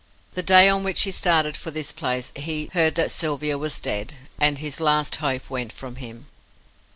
The day on which he started for this place he heard that Sylvia was dead, and his last hope went from him.